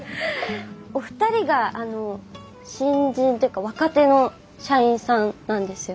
お二人が新人というか若手の社員さんなんですよね。